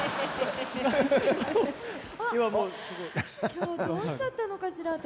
今日どうしちゃったのかしら私。